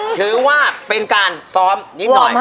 ถือว่าเป็นการซ้อมนิดหน่อย